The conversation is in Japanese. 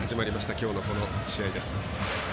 きょうの、この試合です。